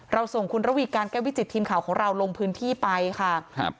ส่งคุณระวีการแก้ววิจิตทีมข่าวของเราลงพื้นที่ไปค่ะครับ